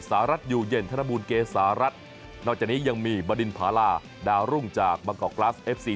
สหรัฐอยู่เย็นธนบูลเกษารัฐนอกจากนี้ยังมีบดินพาราดาวรุ่งจากบางกอกกราฟเอฟซี